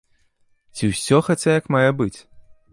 Ці ўсё хаця як мае быць?